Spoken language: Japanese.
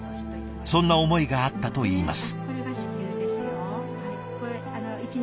そんな思いがあったといいます。